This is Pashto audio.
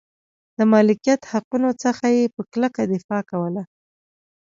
د مالکیت حقونو څخه یې په کلکه دفاع کوله.